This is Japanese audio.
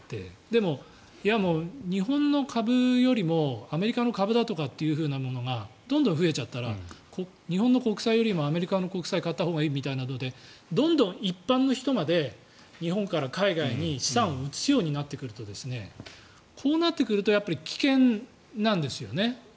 でも、日本の株よりもアメリカの株というものがどんどん増えちゃったら日本の国債よりもアメリカの国債を買ったほうがいいみたいなのでどんどん一般の人まで日本から海外に資産を移すようになってくるとこうなってくるとやっぱり危険なんですよね。